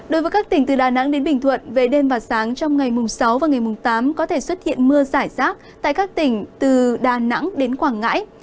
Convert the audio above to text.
đối với các tỉnh từ đà nẵng đến bình thuận về đêm và sáng trong ngày mùng sáu và ngày mùng tám có thể xuất hiện mưa giải rác tại các tỉnh từ đà nẵng đến quảng ngãi